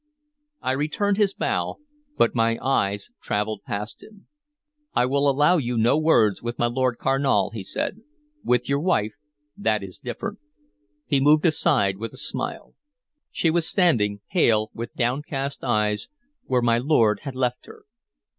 I returned his bow, but my eyes traveled past him. "I will allow you no words with my Lord Carnal," he said. "With your wife, that is different." He moved aside with a smile. She was standing, pale, with downcast eyes, where my lord had left her.